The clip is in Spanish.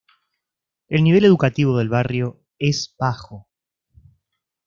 El nivel educativo del barrio es bajo.